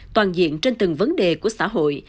toàn diện trên từng vấn đề của xã hội